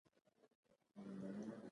حلاله نفقه ګټل عبادت دی.